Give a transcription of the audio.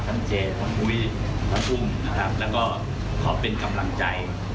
ท่านเจนท่านอุ้ยท่านอุ้มแล้วก็ขอเป็นกำลังใจ